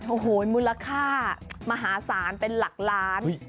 โอ้โหมูลค่ามหาศาลเป็นหลักล้าน